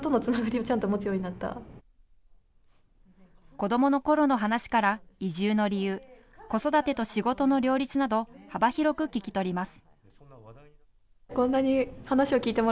子どものころの話から移住の理由子育てと仕事の両立など幅広く聞き取ります。